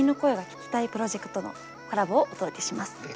プロジェクトのコラボをお届けします。